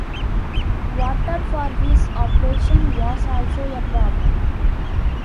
Water for his operation was also a problem.